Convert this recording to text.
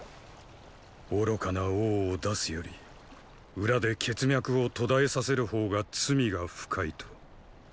愚かな王を出すより裏で血脈を途絶えさせる方が罪が深いと。